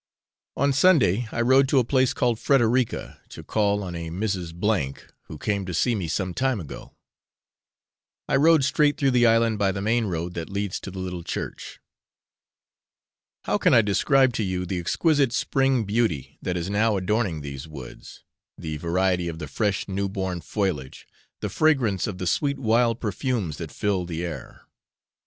On Sunday, I rode to a place called Frederica to call on a Mrs. A , who came to see me some time ago. I rode straight through the island by the main road that leads to the little church. How can I describe to you the exquisite spring beauty that is now adorning these woods, the variety of the fresh new born foliage, the fragrance of the sweet wild perfumes that fill the air?